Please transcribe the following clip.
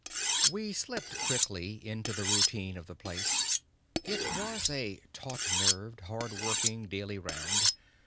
V We slipped quickly into the routine of the place. It was a taut nerved, hard working daily round.